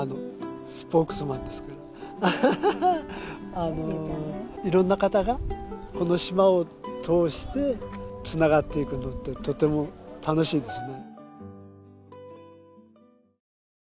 あのいろんな方がこの島を通してつながっていくのってとても楽しいですね。